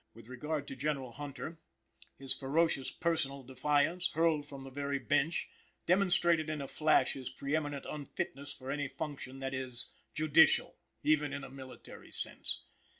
With regard to General Hunter, his ferocious personal defiance, hurled from the very Bench, demonstrated in a flash his preëminent unfitness for any function that is judicial even in a military sense.